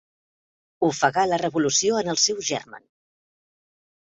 Ofegar la revolució en el seu germen.